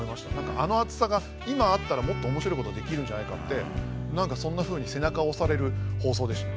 あの熱さが今あったらもっと面白いことできるんじゃないかって何かそんなふうに背中押される放送でした。